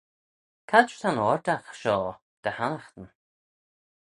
Caid ta'n oardagh shoh dy hannaghtyn?